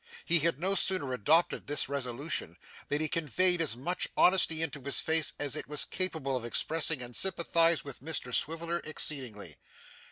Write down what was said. He had no sooner adopted this resolution, than he conveyed as much honesty into his face as it was capable of expressing, and sympathised with Mr Swiveller exceedingly.